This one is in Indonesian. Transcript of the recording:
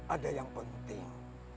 ada yang penting